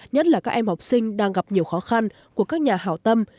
nhất là các em học sinh đang gặp nhiều khó khăn của các nhà hảo tâm